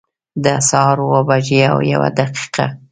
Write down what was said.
د سهار اوه بجي او یوه دقيقه